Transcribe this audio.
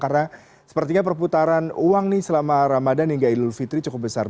karena sepertinya perputaran uang nih selama ramadan hingga ilul fitri cukup besar